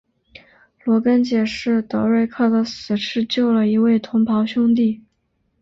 罗根解释德瑞克的死是救了一位同袍兄弟。